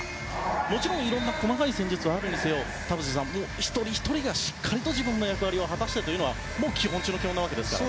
もちろん、いろんな細かい戦術はあるにせよ田臥さん、一人ひとりがしっかり自分の役割を果たすというのは基本なわけですからね。